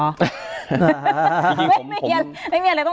จริงผมผมเรียกไม่มีอะไรต้องถามแล้ว